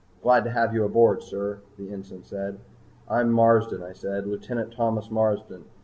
"Glad to have you aboard, sir," the ensign said. "I'm Marsden," I said. "Lieutenant Thomas Marsden.